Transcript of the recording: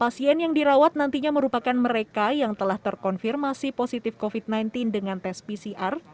pasien yang dirawat nantinya merupakan mereka yang telah terkonfirmasi positif covid sembilan belas dengan tes pcr